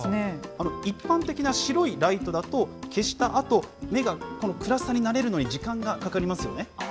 一般的な白いライトだと、消したあと、目が暗さに慣れるのに時間がかかりますよね。